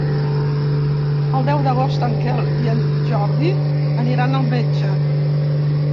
El deu d'agost en Quel i en Jordi aniran al metge.